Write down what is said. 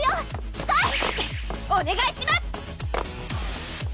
スカイ！おねがいします！